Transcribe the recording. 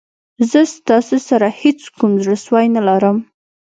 زه ستاسو سره هېڅ کوم زړه سوی نه لرم.